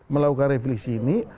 melakukan revisi ini